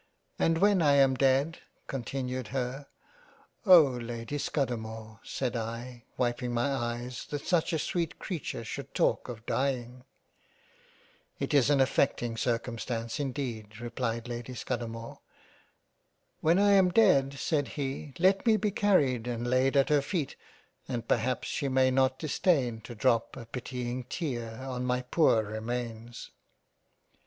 And when I am dead "— continued her " Oh Lady Scudamore, said I wiping my eyes, that such a sweet Creature should talk of dieing !"" It is an affecting Circumstance indeed, replied Lady Scudamore." " When I am dead said he, let me be carried and lain at her feet, and perhaps she may not disdain to drop a pitying tear on my poor remains."